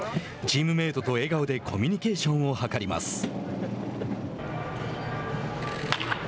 チームメートと笑顔でコミュニケーションを図ります。